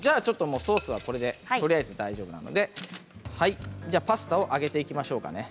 ソースはこれでとりあえず大丈夫なのでパスタを上げていきましょうかね